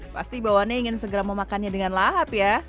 pasti bawaannya ingin segera memakannya dengan lahap ya